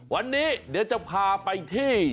วันนี้เดี๋ยวจะพาไปที่